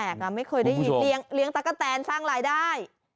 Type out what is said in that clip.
เลี้ยงตั๊กกะแตนสร้างรายได้